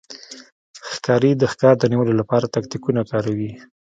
ښکاري د ښکار د نیولو لپاره تاکتیکونه کاروي.